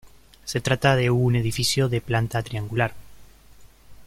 Se trata de un edificio de planta triangular.